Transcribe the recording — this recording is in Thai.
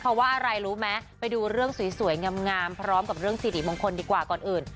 เพราะว่าอะไรรู้ไหมไปดูเรื่องสวยงามพร้อมกับเรื่องสิริมงคลดีกว่าก่อนอื่น